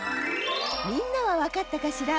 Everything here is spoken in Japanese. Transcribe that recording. みんなはわかったかしら？